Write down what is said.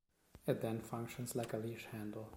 It then functions like a leash handle.